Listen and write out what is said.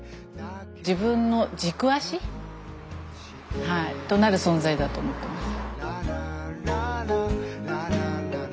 自分の軸足となる存在だと思ってます。